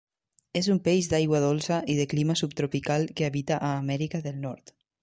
És un peix d'aigua dolça i de clima subtropical que habita a Amèrica del Nord.